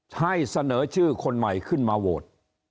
ให้เสนอชื่อคนใหม่ขึ้นมาโหวต